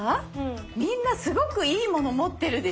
みんなすごくいいもの持ってるでしょ？